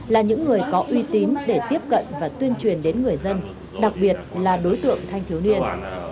là những người có uy tín để tiếp cận và tuyên truyền đến người dân đặc biệt là đối tượng thanh thiếu niên